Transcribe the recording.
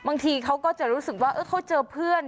บางทีเขาก็จะรู้สึกว่าเขาเจอเพื่อน